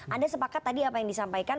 anda sepakat tadi apa yang disampaikan